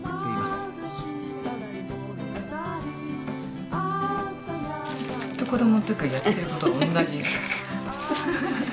ずっと子どものときからやってることが同じ。